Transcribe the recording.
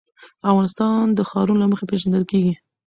افغانستان د ښارونه له مخې پېژندل کېږي.